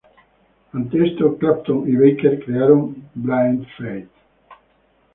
Ante esto, Clapton y Baker crearon Blind Faith.